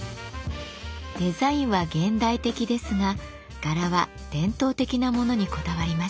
デザインは現代的ですが柄は伝統的なものにこだわりました。